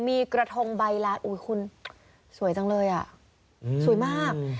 มีกระทงใบลานอุ๊ยคุณสวยจังเลยอ่ะสวยมาก